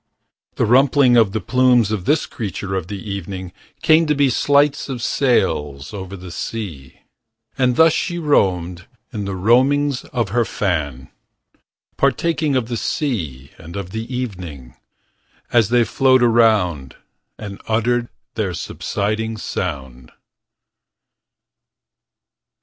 The rumpling of the plumes Of this creature of the evening Came to be sleights of sails Over the sea. And thus she roamed In the roamings of her fan. Partaking of the sea. And of the evening. As they flowed around 34 And uttered their subsiding sound.